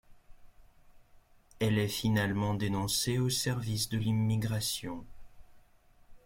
Elle est finalement dénoncée aux services de l'immigration.